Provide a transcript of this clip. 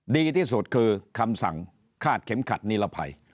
ดีที่สุดคือคำสั่งคาดเข็มขัดนิรภัย